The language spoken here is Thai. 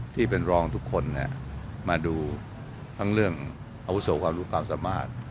ที่เป็นรองทุกคนมาดูทั้งเรื่องอาวุโสความรู้ความสามารถ